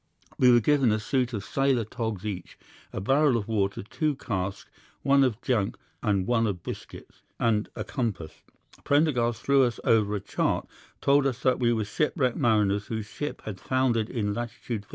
We were given a suit of sailors' togs each, a barrel of water, two casks, one of junk and one of biscuits, and a compass. Prendergast threw us over a chart, told us that we were shipwrecked mariners whose ship had foundered in lat. 15┬║ N.